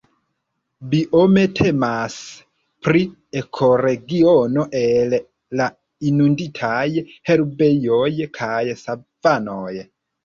Biome temas pri ekoregiono el la inunditaj herbejoj kaj savanoj.